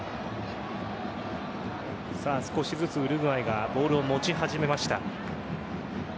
少しずつウルグアイがボールを持ち始めました。